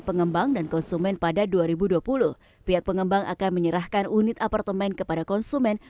pengembang dan konsumen pada dua ribu dua puluh pihak pengembang akan menyerahkan unit apartemen kepada konsumen